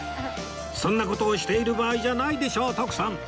そんな事をしている場合じゃないでしょ徳さん！